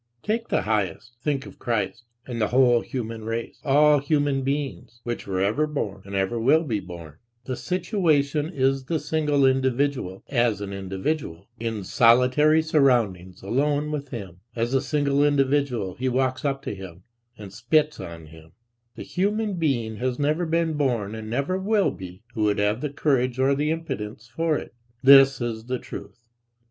Take the highest, think of Christ and the whole human race, all human beings, which were ever born and ever will be born; the situation is the single individual, as an individual, in solitary surroundings alone with him; as a single individual he walks up to him and spits on him: the human being has never been born and never will be, who would have the courage or the impudence for it; this is the truth.